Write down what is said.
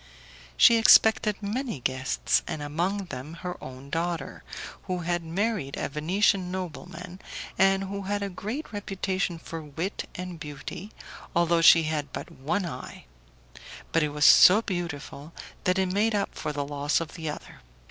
She expected many guests, and among them her own daughter, who had married a Venetian nobleman, and who had a great reputation for wit and beauty, although she had but one eye; but it was so beautiful that it made up for the loss of the other.